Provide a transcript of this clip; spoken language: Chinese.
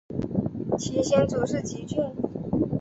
其先祖是汲郡。